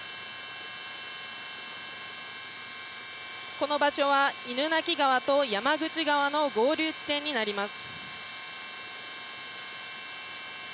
この場所は犬鳴川とやまぐちがわの合流地点になります。